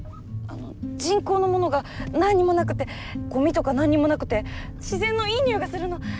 人工のものが何にもなくてごみとか何にもなくて自然のいい匂いがするの！